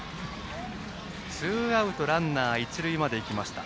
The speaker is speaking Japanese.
ツーアウトランナー、一塁までいきました。